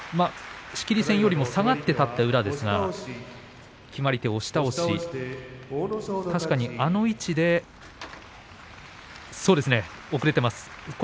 仕切り線より下がって立った宇良ですが決まり手は押し倒し確かにあの位置で遅れています。